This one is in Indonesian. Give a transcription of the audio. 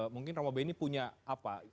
mungkin romo beni punya apa